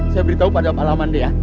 saya beritahu pada pak lamande ya